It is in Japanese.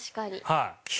はい。